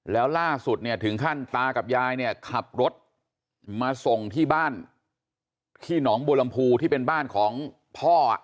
แล้วล่าสุดเนี่ยถึงขั้นตากับยายเนี่ยขับรถมาส่งที่บ้านที่หนองบัวลำพูที่เป็นบ้านของพ่อ